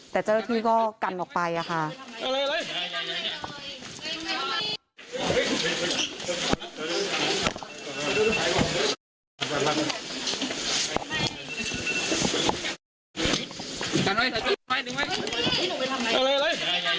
แต่เจ้าที่ก็กันออกไป